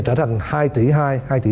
trở thành hai tỷ hai hai tỷ bốn